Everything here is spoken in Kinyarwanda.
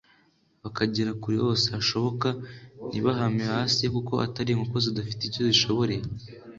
bakagera kure hose hashoboka, ntibahame hasi, kuko atari inkoko zidafite icyo zishoboreye